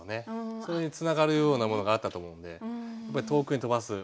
それにつながるようなものがあったと思うんでやっぱり遠くに飛ばす。